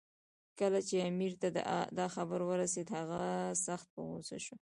کله چې امیر ته دا خبر ورسېد، هغه سخت په غوسه شو.